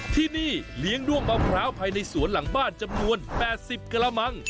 ที่นี่เลี้ยงด้วงมะพร้าวภายในสวนหลังบ้านจำนวน๘๐กระมัง